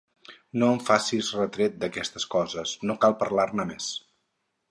No em facis retret d'aquestes coses: no cal parlar-ne més.